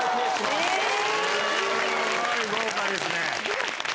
すごい豪華ですね。